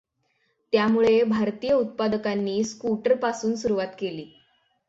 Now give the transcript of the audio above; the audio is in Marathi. त्यामुळे भारतीय उत्पादकांनी स्कूटरपासून सुरुवात केली.